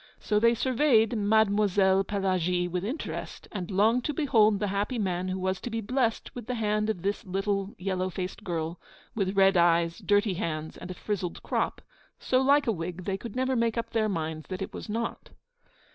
So they surveyed Mademoiselle Pelagie with interest, and longed to behold the happy man who was to be blessed with the hand of this little, yellow faced girl, with red eyes, dirty hands, and a frizzled crop, so like a wig they never could make up their minds that it was not.